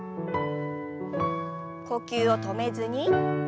呼吸を止めずに。